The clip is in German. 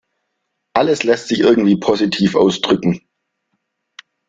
Alles lässt sich irgendwie positiv ausdrücken.